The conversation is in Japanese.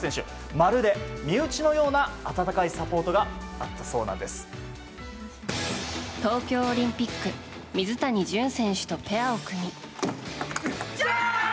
まるで身内のような温かいサポートが東京オリンピック水谷隼選手とペアを組み。